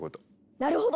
なるほど！